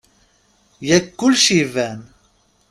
Yak kulec iban.